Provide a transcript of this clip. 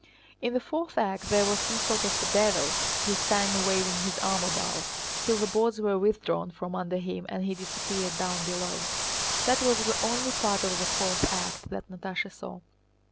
In the fourth act there was some sort of devil who sang waving his arm about, till the boards were withdrawn from under him and he disappeared down below. That was the only part of the fourth act that Natásha saw.